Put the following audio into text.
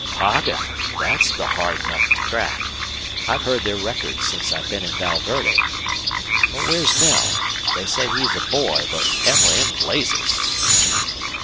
"Poggin that's the hard nut to crack! I've heard their records since I've been in Val Verde. Where's Knell? They say he's a boy, but hell and blazes!"